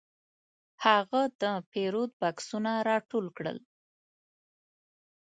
هغه د پیرود بکسونه راټول کړل.